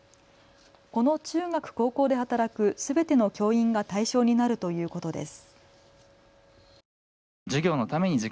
この中学・高校で働くすべての教員が対象になるということです。